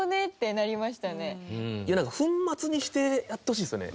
なんか粉末にしてやってほしいですよね。